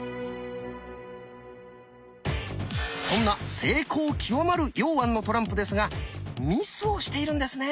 そんな精巧極まる榕菴のトランプですがミスをしているんですね。